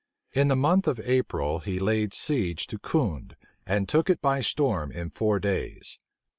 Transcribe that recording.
In the month of April, he laid siege to Condé, and took it by storm in four days.